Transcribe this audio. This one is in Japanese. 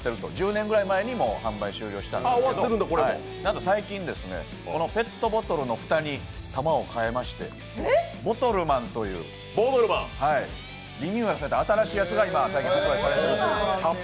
１０年ぐらい前に販売終了しちゃったんですけど最近、このペットボトルの蓋に弾を変えましてボトルマンという、リニューアルされた新しいやつが今出てると。